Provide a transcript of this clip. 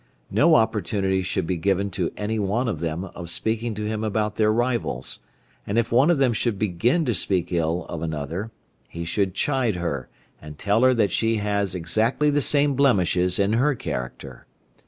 No opportunity should be given to any one of them of speaking to him about their rivals, and if one of them should begin to speak ill of another, he should chide her and tell her that she has exactly the same blemishes in her character.